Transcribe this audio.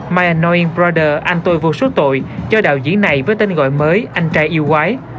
my annoying brother anh tôi vô số tội cho đạo diễn này với tên gọi mới anh trai yêu quái